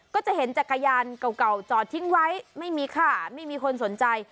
ก็จะเห็นจักรยานเก่าจอดทิ้งไว้ไม่มีค่าไม่มีคนสนใจ